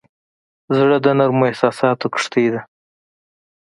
زړه د نرمو احساساتو کښتۍ ده.